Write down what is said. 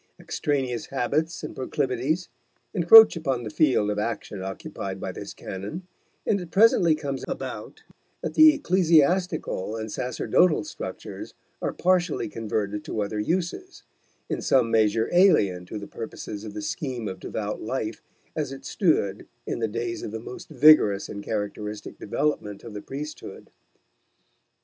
Extraneous habits and proclivities encroach upon the field of action occupied by this canon, and it presently comes about that the ecclesiastical and sacerdotal structures are partially converted to other uses, in some measure alien to the purposes of the scheme of devout life as it stood in the days of the most vigorous and characteristic development of the priesthood.